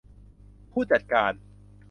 ผู้จัดการ